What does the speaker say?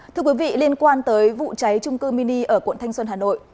thưa quý vị liên quan tới vụ cháy trung cư mini ở quận thanh xuân hà nội